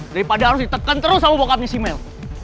daripada harus diteken terus sama bokapnya si mel